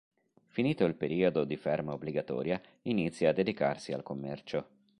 Finito il periodo di ferma obbligatoria inizia a dedicarsi al commercio.